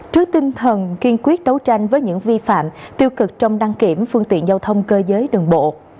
trước tinh thần kiên quyết đấu tranh với những vi phạm tiêu cực trong đăng kiểm phương tiện giao thông cơ giới đường bộ